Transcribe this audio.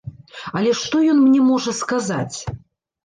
Але што ён мне можа сказаць?